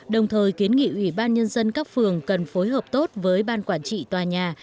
đồng thời kiến nghị ủy ban nhân dân các phường cần phối hợp tốt với ban quản trị tòa nhà